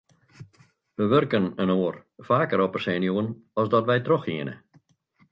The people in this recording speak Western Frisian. Wy wurken inoar faker op 'e senuwen as dat wy trochhiene.